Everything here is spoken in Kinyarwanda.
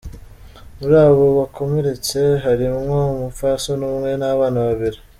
Muri abo bakomeretse, harimwo umupfasoni umwe n'abana babiri.